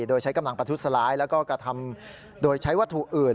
โดยใช้กำลังประทุษร้ายแล้วก็กระทำโดยใช้วัตถุอื่น